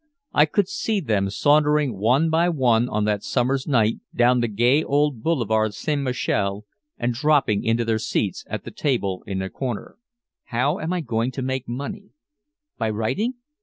I could see them sauntering one by one on that summer's night down the gay old Boulevard Saint Michel and dropping into their seats at the table in the corner. "How am I to make money? By writing?"